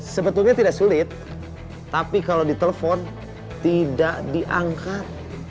sebetulnya tidak sulit tapi kalau ditelepon tidak diangkat